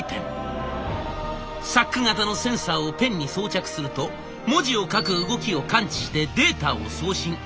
サック型のセンサーをペンに装着すると文字を書く動きを感知してデータを送信。